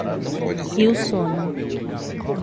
Rio Sono